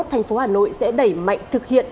thành phố hà nội sẽ đẩy mạnh thực hiện